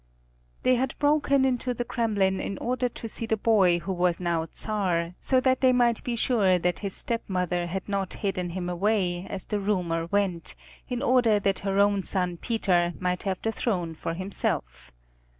They had broken into the Kremlin in order to see the boy who was now Czar, so that they might be sure that his stepmother had not hidden him away, as the rumor went, in order that her own son Peter might have the throne for himself.